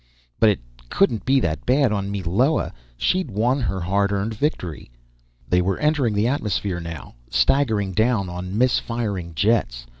But it couldn't be that bad on Meloa; she'd won her hard earned victory! They were entering the atmosphere now, staggering down on misfiring jets.